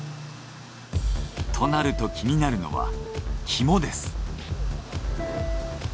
となると気になるのはキモです。